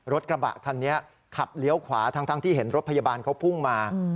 รถกระบะคันนี้ขับเลี้ยวขวาทั้งที่เห็นรถพยาบาลเขาพุ่งมา